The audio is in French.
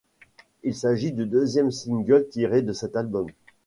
Il s'agit du deuxième single tiré de cet album.